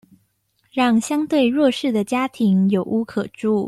讓相對弱勢的家庭有屋可住